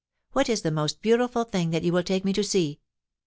A\Tiat is the most beautiful thing that you will take me to see